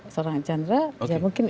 seorang arkanra ya mungkin